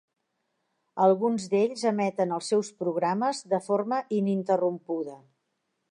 Alguns d'ells emeten els seus programes de forma ininterrompuda.